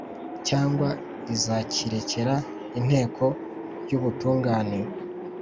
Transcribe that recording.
cyangwa izakirekera Inteko y Ubutungane